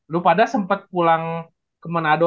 lo pada sempet pulang ke manado